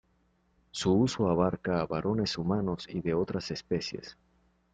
Su uso abarca a varones humanos y de otras especies.